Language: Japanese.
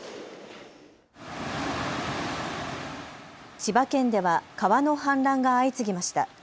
千葉県では川の氾濫が相次ぎました。